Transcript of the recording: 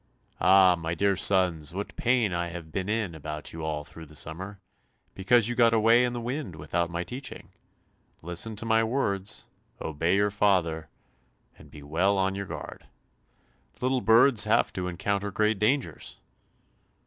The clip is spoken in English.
"Ah, my dear sons, what pain I have been in about you all through the summer, because you got away in the wind without my teaching; listen to my words, obey your father, and be well on your guard. Little birds have to encounter great dangers!"